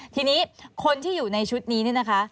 ทีนี้คนที่อยู่ในชุดนี้นี่นะคะ